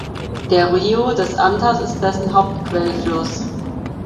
Der Rio das Antas ist dessen Hauptquellfluss.